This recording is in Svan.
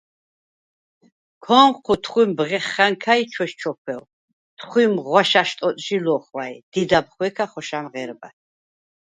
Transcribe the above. ქო̄ნჴუ თხვიმ ბღეხა̈ნქა, ჩვესჩოქვევ, თხვიმ ღვაშა̈შ ტოტჟი ლო̄ხვა̈ჲ, დიდა̈ბ ხვე̄ქა ხოშა̄მ ღე̄რბათვ.